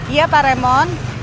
iya pak raymond